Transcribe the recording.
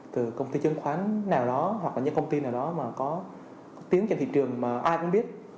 từ công ty chứng khoán nào đó hoặc là những công ty nào đó mà có tiếng trên thị trường mà ai cũng biết